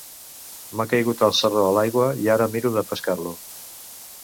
M'ha caigut el sarró a l'aigua i ara miro de pescar-lo.